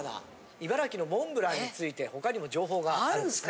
茨城のモンブランについて他にも情報があるんですね。